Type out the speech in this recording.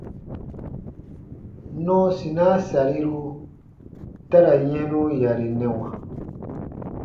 Nɔɔsinaa sariru ta ra yɛnu yarinɛwa.